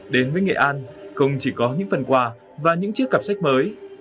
đến với nghệ an không chỉ có những phần quà và những chiếc cặp sách mới